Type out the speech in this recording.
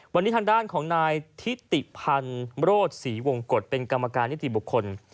วันนี้ทางด้านของนายทิติพันธ์โรธศรีวงกฎเป็นกรรมการนิติบุคคล